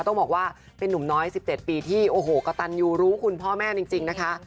ต้องบอกว่าเป็นนุ่มน้อย๑๗ปีที่โอ้โหกระตันยูรู้คุณพ่อแม่จริงนะคะ